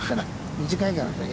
短いから。